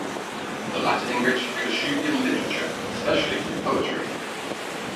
The latter enriched Kashubian literature especially in poetry.